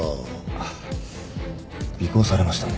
あっ尾行されましたね。